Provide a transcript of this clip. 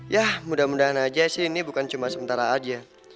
ya mudah mudahan aja sih ini bukan cuma sementara aja